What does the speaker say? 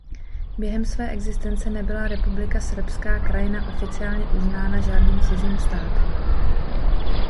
Během své existence nebyla Republika Srbská Krajina oficiálně uznána žádným cizím státem.